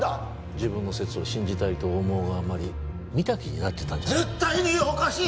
自分の説を信じたいと思うあまり見た気になってたんじゃ絶対におかしい